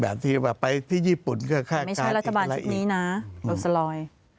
ที่ว่าไปที่ญี่ปุ่นก็แค่นี้ไม่ใช่รัฐบาลชุดนี้นะโอซาลอย